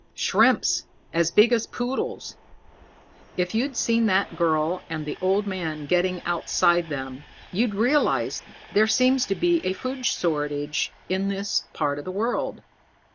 "Shrimps as big as poodles. If you'd seen that girl and the old man getting outside them, you'd realize that there seems to be a food shortage in this part of the world.